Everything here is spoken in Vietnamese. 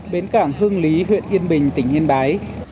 bến cảng hưng lý huyện yên bình tỉnh yên bái